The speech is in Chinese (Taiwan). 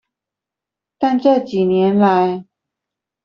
但這幾年來